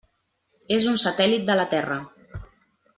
És un satèl·lit de la Terra.